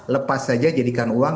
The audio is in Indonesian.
lepas saja jadikan uang